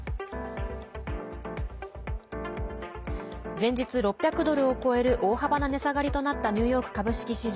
前日６００ドルを超える大幅な値下がりとなったニューヨーク株式市場。